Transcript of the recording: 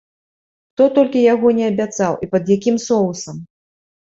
Хто толькі яго не абяцаў і пад якім соусам!